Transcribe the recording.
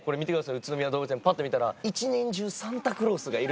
宇都宮動物園ぱって見たら。